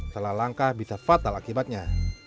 salah langkah bisa fatal akibatnya